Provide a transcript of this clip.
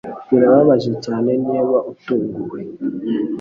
(Birababaje cyane niba utunguwe)